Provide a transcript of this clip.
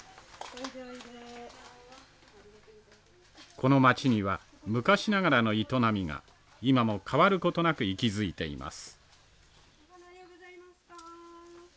この街には昔ながらの営みが今も変わることなく息づいています。